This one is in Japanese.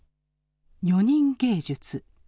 「女人芸術」。